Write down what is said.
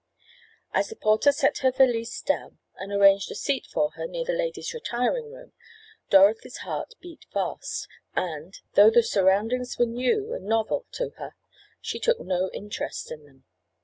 As the porter set her valise down and arranged a seat for her near the ladies' retiring room Dorothy's heart beat fast, and, though the surroundings were new and novel to her she took no interest in them.